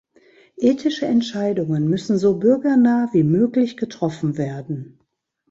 Ethische Entscheidungen müssen so bürgernah wie möglich getroffen werden.